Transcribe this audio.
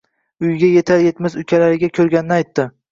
Uyiga yetar yetmas ukalariga koʻrganini aytdi.